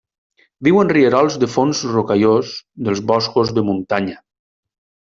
Viu en rierols de fons rocallós dels boscos de muntanya.